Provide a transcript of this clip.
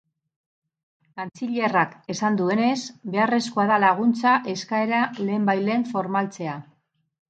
Kantzilerrak esan duenez, beharrezkoa da laguntza eskaera lehenbailehen formaltzea.